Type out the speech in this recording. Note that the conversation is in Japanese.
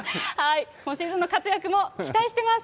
今シーズンの活躍も期待してます。